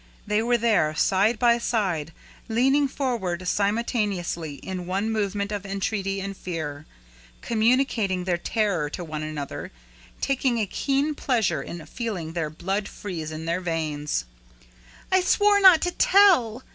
They were there, side by side, leaning forward simultaneously in one movement of entreaty and fear, communicating their terror to one another, taking a keen pleasure in feeling their blood freeze in their veins. "I swore not to tell!"